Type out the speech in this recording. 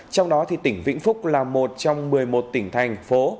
trong đó thì tỉnh vĩnh phúc là một trong một mươi một tỉnh thành phố